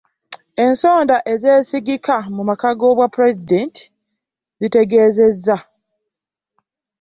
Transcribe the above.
Ensonda ezeesigika mu maka g'obwapulezidenti zitegeezezza.